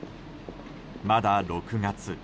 まだ６月。